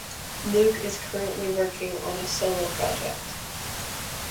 Luke is currently working on a solo project.